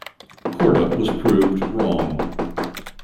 Korda was proved wrong.